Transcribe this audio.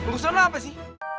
lu serah apa sih